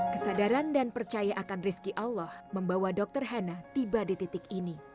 kesadaran dan percaya akan rizki allah membawa dokter hana tiba di titik ini